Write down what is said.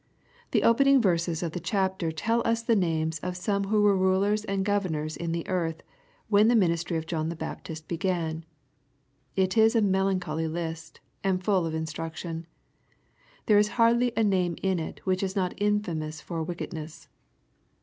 The opening verses of the chapter tell us the names of some who were rulers and governors in the earth, when the ministry of John the Baptist began. It is a melan choly list, and full of instruction. There is hardly a name in it which is not infamous for wickedness.